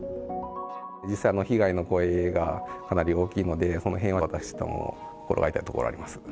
実際被害の声がかなり大きいので、そのへんは、私どもも心が痛いところであります。